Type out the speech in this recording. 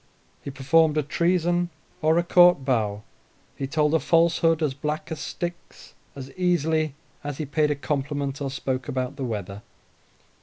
He performed a treason or a court bow, he told a falsehood as black as Styx, as easily as he paid a compliment or spoke about the weather.